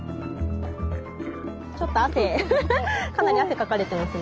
ちょっと汗かなり汗かかれてますね。